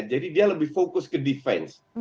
jadi dia lebih fokus ke defense